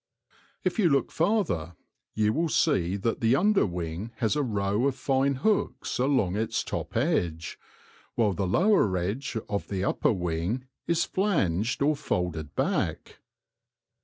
If you look farther, you will see that the under wing has a row of fine hooks along its top edge, while the lower edge of the upper wing is flanged or folded back.